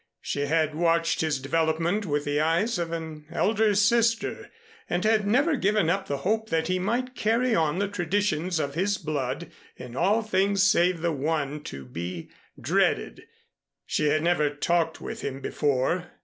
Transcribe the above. She had watched his development with the eyes of an elder sister, and had never given up the hope that he might carry on the traditions of his blood in all things save the one to be dreaded. She had never talked with him before.